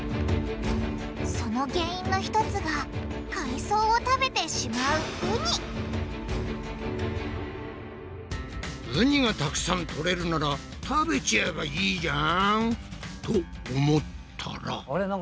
その原因の１つが海藻を食べてしまうウニウニがたくさんとれるなら食べちゃえばいいじゃん！と思ったら。